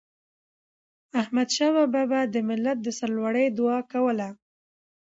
احمدشاه بابا به د ملت د سرلوړی دعا کوله.